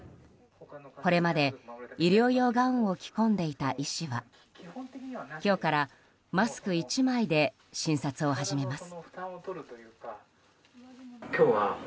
これまで医療用ガウンを着込んでいた医師は今日からマスク１枚で診察を始めます。